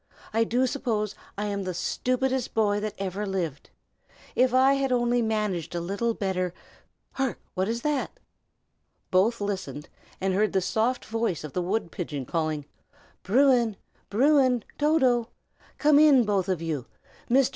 I do suppose I am the stupidest boy that ever lived. If I had only managed a little better hark! what is that?" Both listened, and heard the soft voice of the wood pigeon calling, "Bruin! Bruin! Toto! come in, both of you. Mr.